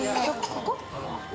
ここ？